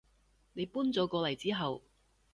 你搬咗過嚟之後